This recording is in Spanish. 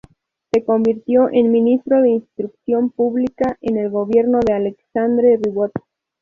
Se convirtió en ministro de Instrucción Pública en el gobierno de Alexandre Ribot.